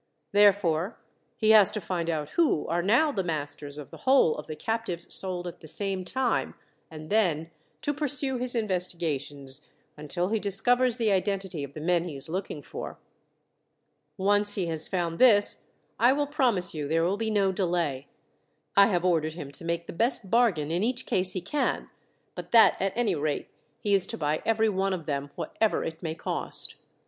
Therefore he has to find out who are now the masters of the whole of the captives sold at the same time, and then to pursue his investigations until he discovers the identity of the men he is looking for. Once he has found this, I will promise you there will be no delay. I have ordered him to make the best bargain in each case he can, but that at any rate he is to buy every one of them, whatever it may cost.